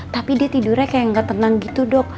tapi dia tidurnya kayak gak tenang gitu dok